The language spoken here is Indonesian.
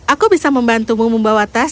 aku bisa membantumu membawa tas